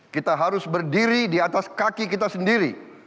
kita harus berdiri di atas kaki kita sendiri